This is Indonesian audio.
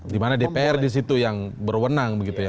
dimana dpr di situ yang berwenang begitu ya